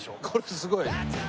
すごい。